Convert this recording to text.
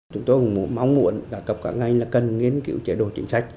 chúng tôi mong muộn và cập cả ngay là cần nghiên cứu chế độ chính sách